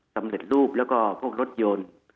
สำเร็จรูปแล้วก็พวกรถยนต์